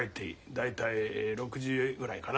大体６時ぐらいかな。